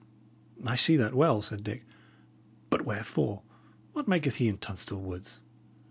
"I see that well," said Dick. "But wherefore? What maketh he in Tunstall Woods?